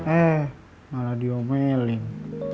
eh malah diomeling